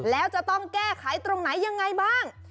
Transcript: แล้วจะต้องแก้ไขตรงไหนยังไงบ้าง